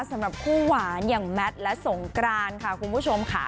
สำหรับคู่หวานอย่างแมทและสงกรานค่ะคุณผู้ชมค่ะ